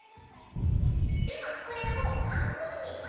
ではこれを半分に折ります。